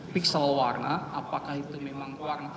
pixel warna apakah itu memang warna